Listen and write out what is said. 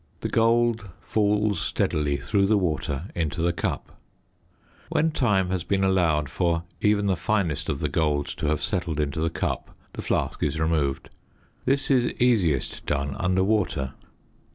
The gold falls steadily through the water into the cup. When time has been allowed for even the finest of the gold to have settled into the cup, the flask is removed. This is easiest done under water.